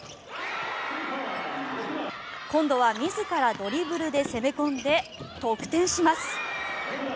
今度は自らドリブルで攻め込んで得点します。